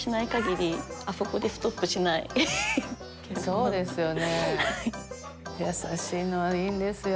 そうですよね。